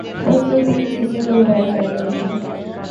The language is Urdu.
بس دو تین چیزیں دہرائے جا رہے ہیں۔